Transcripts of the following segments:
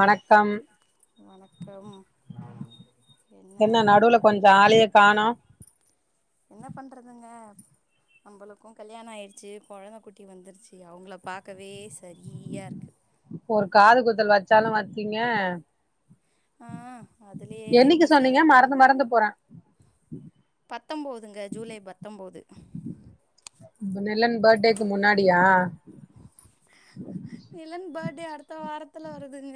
வணக்கம் வணக்கம் என்ன நடுவுல கொஞ்சோ ஆளையே காணோ நம்பளுக்கு கல்யாணோ ஆயிடுச்சி கொழந்த குட்டி வந்துருச்சி அவுங்கள பாக்கவே சரியா இருக்கு இப்பொரு காது குத்தல் வச்சாலு வச்சீங்க ஆ அதுலயே என்னைக்கு பிஸில சொன்னீங்க போயி மறந்து மறந்து போறே பத்தொம்போதுங்க ஜூலை பத்தொம்போது நிலன் பர்டேக்கு முன்னாடியா த்த வாரத்துல வருதுங்க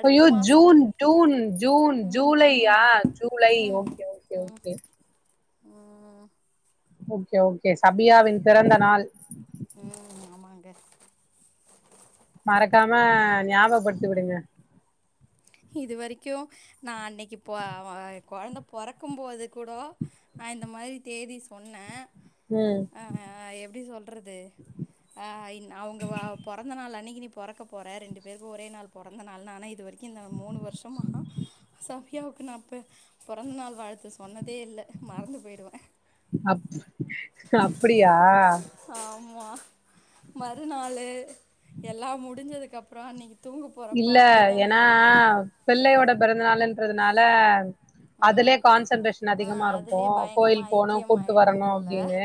அடுத்த ஐயோ மாசோ ஜூன் ஜூன் ஜூன் ம் ம் ஜூலையா ஜூலை ம் ஓகே ஓகே ம் ஓகே ம் ஓகே ஓகே சபியாவின் பிறந்த நாள் ம் ஆமாங்க மறக்காம ஞாபகப்படுத்திவுடுங்க இது வரிக்கு நா அன்னிக்கு போ அவ கொழந்த பொறக்கு போது கூடோ நா இந்த மாரி தேதி சொன்ன ம் அ ஆ எப்பிடி சொல்றது அ ன் அவங்க வா பொறந்த நாள் அன்னிக்கு நீ பொறக்க போற ரெண்டு பேருக்கு ஒரே நாள் பிறந்த நாள்னனா இ இந்த மூணு வருஷமா சபியா நா பே பொறந்தநாள் வாழ்த்து சொன்ன அப் அப்பிடியா ஆமா மறுநாளு எல்லா முடிஞ்சதுக்கப்புறோ அன்னிக் இல்ல ஏன்னா பிள்ளையோட பிறந்த நாளுன்றதுனால ம் அதுலயே கான்சன்ட்ரேஷன் ஆ அதிகமா இருக்கு அதுலயே கோயில் பயங்கரமா போணு கூப்புட்டு வரணு ஐக்கியமாயிடுவோம் போல அப்பிடின்னு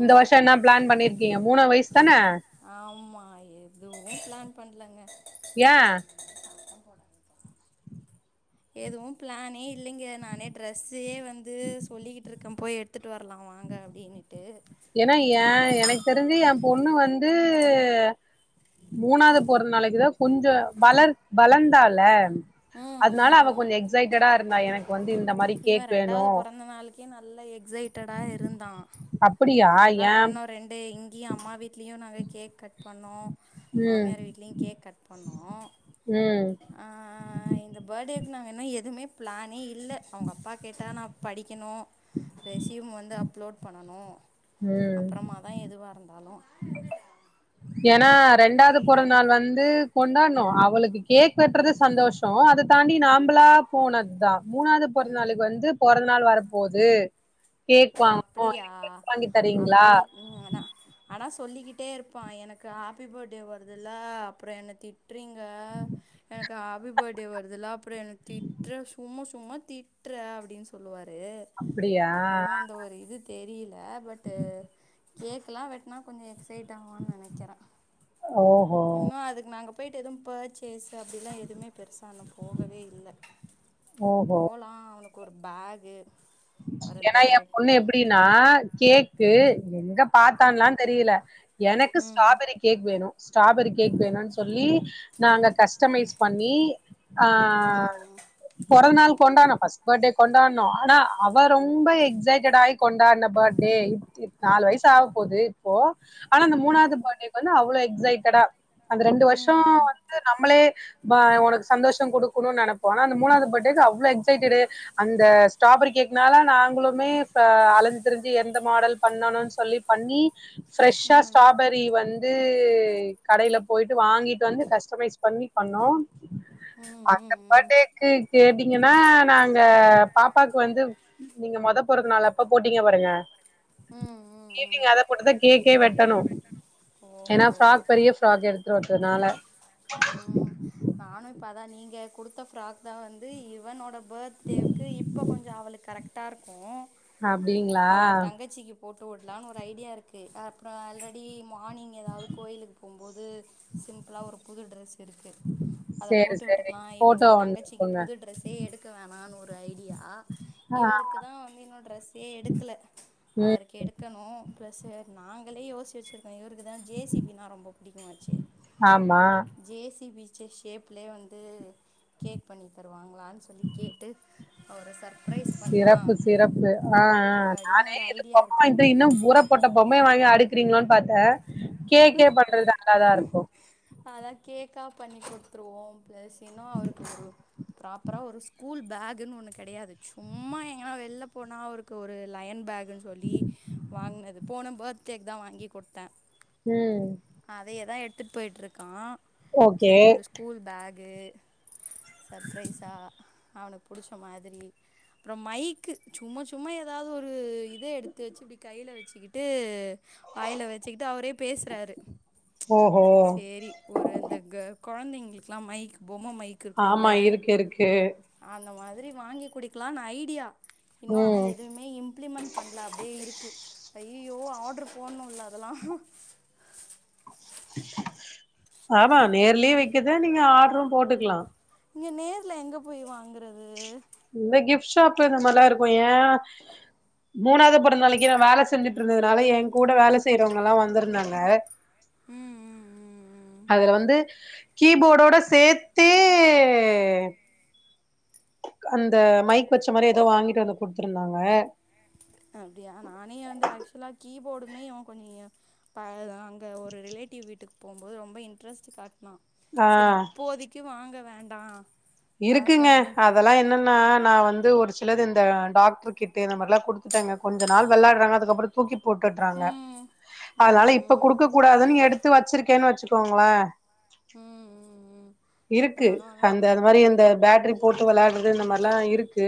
இந்த வருஷோ என்ன பிளான் பண்ணிருக்கீங்க மூணு எ வயசுதான ஆமா எதுவு பிளான் பண்லங்க ஏ எதுவு பிளானே இல்லைங்க நானே ட்ரெஸ்ஸே வந்து சொல்லிக்கிட்டு இருக்கே போய் எடுத்துகிட்டு வரலா வாங்க அப்பிடின்னுட்டு ஏன்னா ஏ எனக்கு தெரிஞ்சி ஏ பொண்ணு வந்து மூணாவது போறந்த நாளைக்குதா கொஞ்சோ வளர் வளர்ந்தால ம் ம் அத்னால அவ ம் கொஞ்சோ எஸ் இவ வேணு ரெண்டாவது பொறந்த நாளுக்கே நல்லா எக்கஸைட்டடா இருந்தா அப்படியா நல்லா ஏ பண்ணோ ரெண்டு இங்கியு அம்மா வீட்லயு நாங்க கேக் கட் பண்ணோ ம் மாமியார் வீட்லியு கேக் கட் பண்ணோ ம் ஆ இந்த பர்டேக் நா வேனா எதுமே பிளானே இல்ல அவங்க அப்பா கேட்டா நா படிக்கணு ரெஸ்யூம் வந்து அப் அப்லோட் பண்ணனு ம் அப்புறமாதா எதுவா இருந்தாலு ஏன்னா ரெண்டாவது பொறந்த நாள் வந்து கொண்டாணு அவளுக்கு கேக் வெட்டுறது சந்தோஷோ அது தாண்டி நம்பளா போனதா மூணாவது பொறந்த நாளுக்கு வந்து பொறந்த நாள் வரப்போது கேக் ஓ வாங்கணு அப்டியா வாங்கி தரீங்களா அப்டி ம் ஆனா ஆனா சொல்லிக்கிட் ட்டே இருப்பா எனக்கு ஹாப்பி போட்டே வருதுல்ல அப்புறோ என திட் திட்றீங்க எனக் க்கு ஹாப்பி போட்டே வருதுல அப் அப்புறோ என்ன திட்ற சும்மா சும் சும்மா திட்ற அப்டின் சொல்லுவார் அப்டியா இன்னு அந்த ஒரு இது தெரிது தே பட்டு கேக் எல்லா வெட்னா கொஞ்சோ எக்சைட் ட்டாவான் நெனைக்கிற ஓஹோ இன்னு அதுக்கு நாங்கப் போயிட்டு எதுவும் பர்சேஸ் ட்டு அப்டிலா எதுமே பெருசா ஒண்ணும் போகவே இல்ல ஓஹோ போலா அவனுக் ஒரு பேகு ஒரு இந்த ஏன்னா எ பொண்ணு கு- எப்புடின்னா கேக் பு எங்கப் பாத்தான்லா தெரியில எனக்கு ம் ஸ்ட்ராபெரி கேக் வேணு ஸ்ட்ராபெரி கேக் வேணுன் சொல்லி நாங்க கஸ்டமைஸ் பண்ணி ஆ ஓஹோ பொறந்நாள் கொண்டான்னோ ஃபஸ்ட் போட்டே கொண்டான்னோ ஆனா அவ ரொம்ப எக்ஸைட்டடு ஆகி கொண்டான போட்டே நாலு வயிசு ஆக போது இப்போ ஆனா அந்த மூணாவது போட்டேக்கு வந்து அவ்ளோ எக்ஸைட் தடா அந்த ரெண்டு வருஷோ ம் வந்து நம்மளே பா உனக்கு சந்தோஷோ குடுக்கனுன் நெனப்போ ஆனா அந்த மூணாவது பர்டேக்கு அவ்வள எக்ஸைட்டடு அந்த ஸ்ட்ராபெரி கேக் இன்னால நாங்களுமே ச அழஞ்திரஞ்சி எந்த மாடல் பண்ணணுன் சொல்லி பண்ணி ஃப்ரெஷ்ஷா ஸ்ட்ராபெரி வந்து கடையில போயிட்டு வாங்கிட்டு வந்து கஸ்டமைஸ் பண்ணிபண்ணோ அந்த பர்டேக்கு கேடி ங்கன்னா நாங்க பாப்பாக்கு வந்து நீங்க மொத பொறந்த நாள் அப்ப போட்டீங்க பாருங்க ஈவினிங் அத போட்டுதா கேக் க்கே வெட்டணு ஏன்னா ஃப்ராக் பெரிய ஃப்ராக் எடுத்துருவன்ட்டனால இப்பதா நீங்க குடுத்த ஃபிராக்தா வந்து இவனோட பர்டேக்கு இப்ப கொஞ்சோ அவளுக் கரெக்டாக இருக்கு அப்பிடிங்களா போட்டு ஓடலான்னு ஒரு ஐடியா இருக்கு அப்புறோ ஆல்ரெடி மார்னிங் ஏதாவது கோயிலுக்கு போம்போது இது சிம்பிளா ஒரு புது ட்டிரெஸ் இருக்கு அத சேரி போட்டு சேரி விட்டுக்கலா இவங் போட்டோ ஒண்ணு தங்கச்சிக்கு இருக்குங்க புது ட்ரெஸ்சே எடுக்க வேணானு ஒரு ஐடியா ஆ இவருக்கு தா வந்து இன்னு டிரஸ்சே எடுக்கல ம் அவருக்கு எடுக்கனு பிளஸ்சு நாங் கெல்லா யோசிவச்சிரு இவருக்குத ஜேசிபினா ரொம்ப புடிக்குமாச்சே ஆமா ஜேசிபி சே ஷேப்லயே வந்து கேக் பண்ணி தருவாங்களான் சொல்லி கேட்டு அவர சர்பரைஸ் பண்ணலா சிறப்பு சிறப்பு ஆ ஆ அப்பிடின் நானே ஒரு ஐடியா இருக்கு ம்மை வாங்கி அடுக்கிறீங்களோன் பாத் த்த கே கே பண்றது நல்லாதா இருக்கு கேக்காக பண்ணி கொடுத்துருவோ ப்ளஸ் இன்னு அவருக்கு ஒரு ப்ராப்பரா ஒரு ஸ்கூல் பேக்குன்னு ஒன்னு கெடையாது சும்மா எங்கன்னா வெளில போனா அவருக்கு ஒரு லயன் பேக் சொல்லி வாங்குனது போன ப்த கேக்குதா வாங்கி கொடுத்தே ம் அதேதா எ கத்துட்டு போயிட்டுருக்கான் ஓகே செரி ஒரு ஸ்கூல் பேக் கே சர்பிரைஸா அவனுக்கு புடிச்ச மாதிரி அப்புறம் மைக்கு சும்மா சும்மா ஏதாவது ஒரு இத எடுத்து வச்சு இப்டி கைல வச்சுக்கிட்டு வாயில வ ச்சக்கிட்டு அவரே பேசுறாரு ஓஹோ சேரி ஒரு அந்த க கொழந்தைங்களுக்குலா மைக் பொம்ம மைக் இருக்குல்ல ஆமா இருக்கு இருக்கு அந்த மாரி வாங்கி குடிக்கலானு ஐடியா இன்னு ஆனா ம் எதுவுமே இம்ப்ளிமெண்ட் பண்ணல அப்டியே இருக்கு அய்யயோ ஆர்ட்ரு போடணும்ல அதெல்லா [unintelligible] ஆமா நேர்லயே வக்கறது இதா நீங்க ஆர்டரும் போட்டுக்கலா இங்க நேர்ல எங்க போய் வாங்குறது இந்த கிஃப்ட் ஷாப் இந்தமார்ல்லா இருக்கு மூனாவது பிறந்த நாளைக்கு நா வேல செஞ்சுட்டு இருந்ததுனால என் கூட வேல செய்யறவங்களா வந்திருந்தாங்க ம் ம் ம் ம் அதுல வந்து கீபோர்டோட சேத்தே அந்த மைக் வச்ச மாதிரி ஏதோ வாங்கிட்டு வந்து குடுத்துருந்தாங்க அப்டியா நானே வந்து ஆக்சுவலா கீபோர்டுமே கொஞ்ச பைய தா அங்க ஒரு ரிலேடிவ் வீட்டுக்கு போம்போது ரொம்ப இட்ரஸ்டு ஆ சரி இப்போதிக்கு வாங்க வே வேண்டா.... [unintelligible] காச இருக்குங்க எதுலயு அதெல்லா என்னன்னா நா வந்து ஒரு சிலது இது இந்த டாக்டர் கிட்டு இந்த மாதிரல்லா குடுத்துட்டேங்க கொஞ்ச நாள் வெளாடுறாங்க அதுக்கப்ரோ தூக்கி போட்டுறாங்க ம் அதனால ம் இப்ப ம் குடுக்க கூடாதுன்னு எடுத்து வச்சிருக்கேனு வச்சுக்கோங்களே ம் ம் ம் இருக்கு நானும் அதான் அந்த எடோ ந்த மாரி ம் அந்த பேட்ரி போட்டு வெளையாடுறது நம் இது மார்லா இருக்கு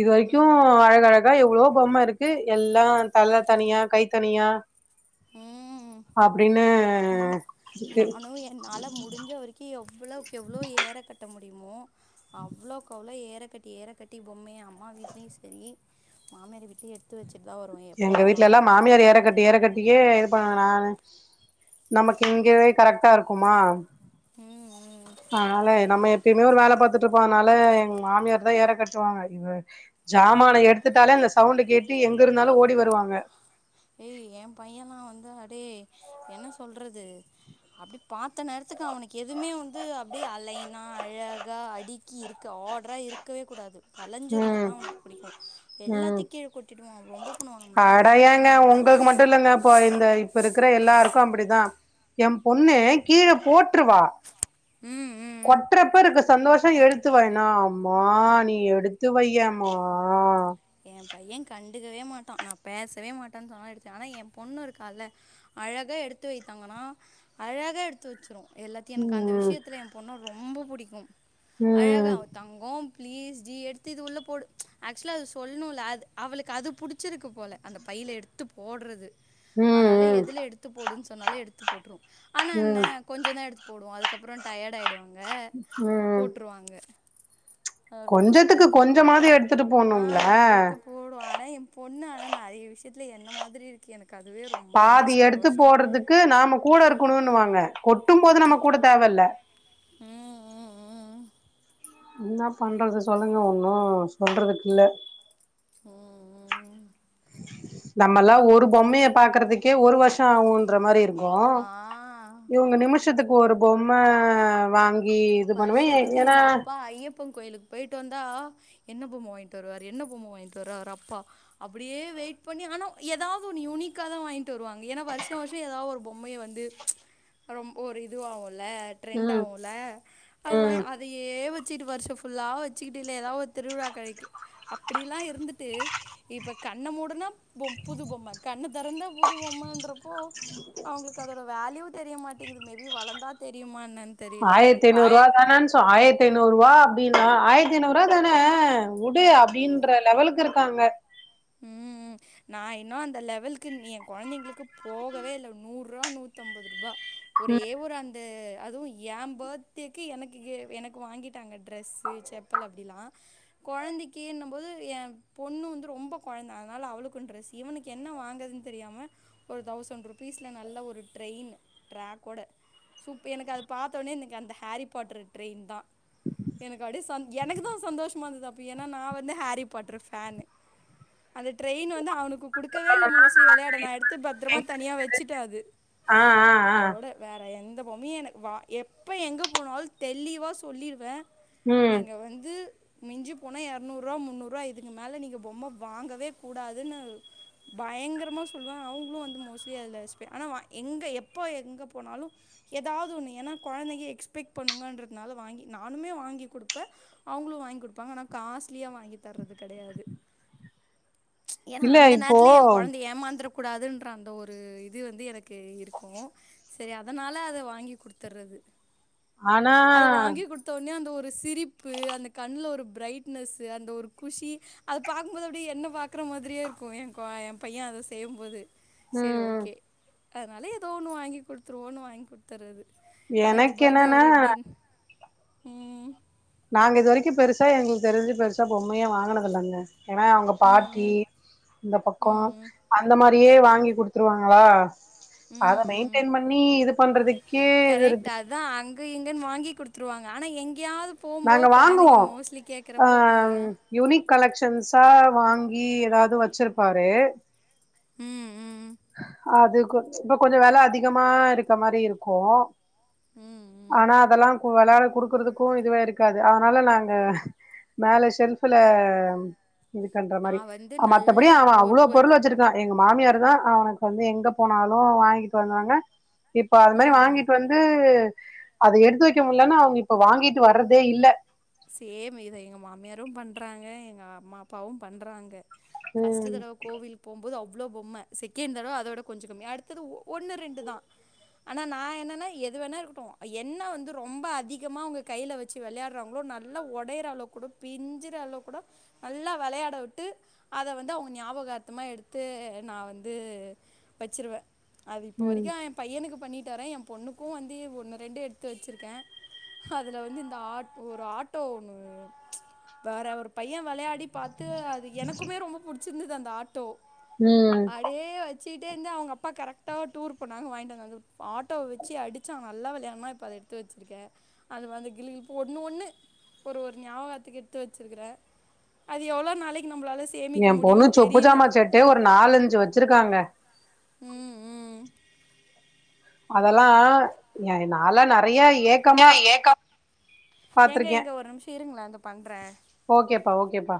இது வரைக்கு ம் அழகழகா எவ்ளோ கோவமா இருக்கு எல்லா தல தனியா கை தனியா ம் அப்டினு ஆமா இருக் எவ்ளோக் எவ்ளோ ஏற கட்ட முடியுமோ அவ்ளோக்கு அவ்ளோ ஏறக்கட்டி ஏறக்கட்டி பொம்மைைய அம்மா வீட்லயு சேரி மாமியார் வீட்லயு எடுத்து வெச் எங்க வீட்ல எல்லா மாமியார் ஏறக்கட்டி ஏறக்கட்டியே இது பா நானு [inaudible] நமக்கு இங்கவே கரெக்டா இருக் க்கு மா ம் ம் அதுனால நம்ம எப் இன்னொரு வேல பாத்துட்டு இருப்போ அதனால எங் மாமியார்டதா ஏற கட்டுவாங்க இவங்க ஜாமானோ எடுத்துட்டாலே அந்த சவுண்டு கேட்டு எங்க இருந்தாலு ஓடி டி வருவாங்க ஏய் எம் பையலா வந்து அடே என்ன சொல்றது அப்டி பாத்த நேரத்துக்கு அவனுக்கு எதுமே வந்து அப்டியே அலைனா அழகா அடுக்கி இருக்க ஆடரா இருக்கவே கூடாது கலஞ்சு ம் இருந்தாதா அவனுக்கு புடிக்கு ம் எல்லாத்தையு கீழ கொட்டிவா ரொம்போ பண்ணுவா நம்பளால ஒண்ணுமே பண்ண முடி உங்ளுக்கு மட்டு இல்லங்க இப்போ இந்த இப்ப இருக்குற எல்லாருக் க்கு அப்டிதா எம் பொண்ணு கீழ போட் ற்றுவா ம் ம் ம் கொட்றப்ப இருக்குற சந்தோஷோ எடுத்து வெய்னா அம்மா நீ எடுத்து வெய்யேம்மா எ பைய கண் எடுக்கவே மாட்டா நா பேசவே மாட்டன் சொன்னாலு எடுத்தே ஆனா எ பொண்ணு இருக்கால்ல அழகா எடுத்து வெயி தங்கோன்னா அழகாக எடுத்து வெச்சுரு எல்லாத்தையு எனக்கு அந்த ம் விஷ்யத்துல எம் பொண்ண ரொம் ரொம்ப புடிக்கு அழகா ம் அவ தங்கோம் பிளீஸ் டி எடுத்து இது உள்ள போடு ஏக்சுவலா அதுஸ் சொல்ணுல்ல அது அவுளுக்கு அது புடுச்சுருக்கு போல அந்த பையில எடுத்து போடுறது ம் ஆனாலு ம் எதுல எடுத்து போடுன்ஸ் சொன்னாலே எடுத்து போட் று ஆனா என்ன ம் கொஞ்சந்தா எடுத்து போடு அதுக் அதுக்கப்பறம் டயட் ஆகிடான் அங்க ம் போட்டுருவாங்க கொஞ்சத்துக்கு கொஞ்சமாவ எடுத்துட்டு ஹா போணும்ல எடுத்து போடுவ ஆனா பொண்ணு ஆனா நறைய விஷயத்துல என்ன மாதிரி இருக்கு எனக்கு அதுவே ரொம்ப ரொம்ப பாதி எடுத்து சந்தோஷோ போடுறதுக்கு நாம கூட இருக்கணும்னுவாங்க கொட்டும் போது நம கூட தேவ இல்ல உம்-உம்-உம் என்ன பண்றது சொல்லுங்க ஒன்னும் சொல்றதுக்கு இல்ல உம்-உம் நம்மல்லாம் ஒரு பொம்மையை பாக்குறதுக்கே ஒரு வருஷம் ஆகம்யின்ற மாதிரி இருக்கும் ஆ இவுங்க நிமிஷத்துக்கு ஒரு பொம்மை வாங்கி இது பண்ணுவே வருஷத்துக்கு ஏன்னா இந்த அப்பா ஐயப்பன் கோயிலுக்கு போயிட்டு வந்தா என்ன பொம்மை வாங்கிட்டு வருவார் என்ன பொம்மை வாங்கிட்டுவாரு அப்பா அப்டியே வெயிட் பண்ணி ஆனா ஏதாவது ஒ யுனிக்கா தா வாங்கிட்டு வருவாங்க ஏனா வருஷம்-வருஷம் ஏதாவது ஒரு பொம்மைய வந்து ஒரு இதுவ ல்ல ட்ரெண்ட் ம் ஆகும்ல அது வாங்கி ம் அதையே வச்சிட்டு வருஷம் புல்லாக வச்சுக்கிட்டு இல்ல ஏதாவோ ஒரு திருவிழா கிடைக்கும் அப்டிலாம் இருந்துட்டு இப்போ கண்ணை மூடனா பொம்ம புது பொம்ம கண்ண தரந்த புது பொம்மா என்ற ஓ அவுங்களுக்கு அதோட வேல்யூ தெரிய மாட்டேங்குது மேபி வளர்ந்தா தெரியும என்னான்னு தெரியல நூறுபா ஆயிரத் தானா அப்பிடின்னு ஆயிரத்திஐநூறுபா ஆயிரத்திநூறுபா தானே உடு அப்டின்ற லெவலுக்கு இருக்கு க்காங்க உம் நான் இன்னும் அந்த லெவலுக்கு என் குழந்தைங்களுக்கு போகவே இல்லை நூறுபா நூத்தம்பது ரூபாய் ஒரே ஒரு அந்த அதுவும் யென் பெர்த்டே எனக்கு எனக்கு வாங்கிட்டாங்க டிரெஷூ செப்பல் அப்படிலாம் குழந்தைக்கிண்ணும்போது என் பொண்ணு வந்து ரொம்ப குழந்தை அதனால அவளுக்கும் ட்ரெஸ் இவனுக்கு என்ன வாங்குறதுன்னு தெரியாம ஒரு தௌசண்ட் ருபீஸில் நல்ல ஒரு ட்ரெயின் ட்ராக்கோட சூப்ப எனக்கு அது பார்த்தோடனே எனக்கு அந்த ஹாரி பாட்ரு ட்ரெயின் தான் எனக்கு அப்படியே ச எனக்கு தான் சந்தோஷமாக இருந்தது அப்போ ஏன்னா நான் வந்து ஹேரி பாட்ரு ஃபேனு அந்த ட்ரெயின் வந்து அவனுக்கு கொடுக்கவே இல்ல சொல்லணும்னா மோஸ்ட்லி விளையாட நான் எடுத்து பத்திரமா தனியா வச்சுட்டான் அது ஆ ஆ ஆ அதோட வேற எந்த பொமி எனக்கு வா எப்ப எங்க போனாலும் தெளிவா சொல்லிருவேன் ம் நீங்க வந்து மிஞ்சி போனா இரநூறுவ முன்னுறுவா இதுக்கு மேலே நீங்கள் பொம்மை வாங்கவே கூடாதுன்னு பயங்கரமா சொல்லுவேன் அவங்களும் வந்து மோஸ்ட்லி அதில் எஸ்ப் ஆனால் எங்கே எப்போ எங்கே போனாலும் ஏதாவது ஒன்று ஏன்னா குழந்தைங்க எக்ஸ்பெக்ட் பண்ணுங்கன்றதுனால வாங்கி நானுமே வாங்கி கொடுப்பேன் அவங்களும் வாங்கி கொடுப்பாங்க ஆனால் காஸ்ட்லியாக வாங்கி தர்றது கிடையாது ஏன்னா இல்ல அந்த இப்போ நேரத்துல என் குழந்தை ஏமாந்துற கூடாதுன்ற அந்த ஒரு இது வந்து எனக்கு இருக்கும் சரி அதனால் அதை வாங்கி கொடுத்தர்றது ஆனா அத வாங்கி கொடுத்த உடனே அந்த ஒரு சிரிப்பு அந்த கண்ணல ஒரு பிரைட்னஸ் அந்த ஒரு குஷி அத பாக் இருக்கும்போது அப்டியே என்ன பாக்குற மாரியே இருக்கும் என் என் பையன் அத செய்யும்போது சேரி ம் ஓகே அதனால ஏதோ ஒண்ணு வாங்கி கொடுத்துருவோன்னு வாங்கி கொடுத்துர்றது எனக்கு என்னன்னா உம் நாங்க இது வரைக்கும் பெருசா எங்களுக்கு தெரிஞ்சு பெருசா பொம்மையே வாங்கனதில்லங்க ஏன்னா அவங்க ம் பாட்டி ம் இந்த ம் பக்கம் ம் அந்த மாரி யே வாங்கி குடுத்துருவாங்களா அத ம் ம் மெயின்டெின் பண்ணி இது பண்றதுக்கு கரெக்ட் அதான் அங் க இங்கன்னு வாங்கி கொடுத்துருவாங்க ஆனா எங் நாங்க வாங்குவோம் கேட்குறப்போ அ ஆஹ் யூனிக் கலெக்க்ஷன்ஸா வாங்கி ஏதாவது வச்சிருப்பாரு உம் உம் அது கொ இப்ப கொஞ்சம் வில அதிகமா இருக்க மாரி இருக்கும் ம், ம். ஆனா அதெல்லாம் விளையாட கொடுக்கறதுக்கும் இதுவே இருக்காது அதனால நாங்க மேல ஷெல்ஃபுல இதுக்கண்ற மாரி நான் வந்து மத்தபடிய நல்லா அவன் ஒரு அவ்வளோ ஒரு பொருள் வச்சிருக்கான் எங்க மாமியார் தான் அவனுக்கு வந்து எங்க போனாலு வாங்கிட்டு வந்தாங்க இப்ப அது மாரி ம், ம். வாங்கிட்டு வந்து அது எடுத்து வக்க முல்லன்னு அவுங்க இப்ப வாங்கிட்டு வர்றதே இல்ல சேம் இத எங்க மாமியாரு பண்றாங்க எங்க அம்மா அப்பாவு பண்றாங்க ஃபர்ஸ்ட் ம் தடவ கோவில் போம்போது அவ் இவ்ளோ பொம்ம‌ செகண்ட் தடவ அத விட கொஞ்சோ கம்மி அடுத்தது ஒன்னு ரெண்டு தா ஆனா நா என்னனா எது வேனா இருக்கட்டும் என்ன வந்து ரொம்ப அதிகமா அவங்க கைல வச்சி வெளையாடறாங்களோ நல் நல்ல உடையிற அளவுக்கு கூட பிஞ்சுற அளவு கூட நல்லா வெளையாட விட்டு அத வந்து அவங்க ஞாபகார்த்தமா எடுத்து நா வந்து வச்சிருவே அது இப்ப ம் வரைக்கு எ பையனுக்கு பண்ணிட்டரே எ பொண்ணுக்கு வந்து ஒன்னு ரெண்டு எடுத்து வச்சிருக்கே அதுல வந்து இந்த ஆட் ஒரு ஆட் ட்டோ ஒன்னு வேற ஒரு பைய வெளயாடி பாத்து அது எனக்குமே ரொம்ப புடிச் சிந்துது அந்த ஆட்டோ ம் அடே வச் வச்சுட்டே இருந்து அவுங்க அப்பா கரெக்டா டூர் போணாங்க வாங்கிட்டுந்த ஆட்டோவ வச்சு அடிச்சா அவங்க நல்ல விளாமா இப்ப அத எடுத்து வச்சிருக்கே அது வந்த கிழ ஒண்ணு ஒண்ணு ஒரு ஒரு ஞாபகாத்துக்கு எடுத்து வச்சுருக்கிற அது எவ்ளோ நாளைக்கு நம்பளால எ சேமிக்க பொண்ணு முடியும்னு சொப்பு தெரியல ஜாம செட்டே ஒரு நாலஞ்சு வச்சுருக்காங்க ம் ம் அதெல்லா ய நாலா நெறைய இ ஏ ஏக்கம் ஏங்க எங்க ஒரு நிமிஷ இருங்கள பண்ற ஓகேபா ஓகேபா